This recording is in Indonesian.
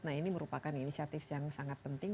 nah ini merupakan inisiatif yang sangat penting